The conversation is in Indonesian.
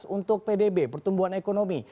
untuk pdb pertumbuhan ekonomi